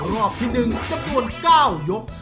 รอบที่หนึ่งจำนวนเก้ายก